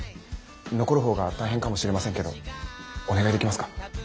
残るほうが大変かもしれませんけどお願いできますか？